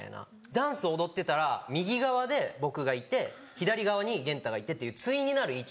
ダンス踊ってたら右側で僕がいて左側に元太がいてっていう対になる位置。